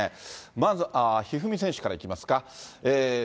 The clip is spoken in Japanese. まず、一二三選手からいきますか。